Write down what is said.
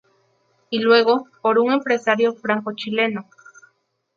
Y luego, por un empresario franco chileno.